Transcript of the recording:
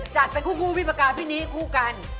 จัดไปคู่พี่ปากกาพี่นี้คู่กัน